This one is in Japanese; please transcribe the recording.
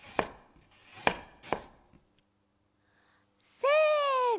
せの！